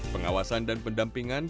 pengawasan dan pendampingan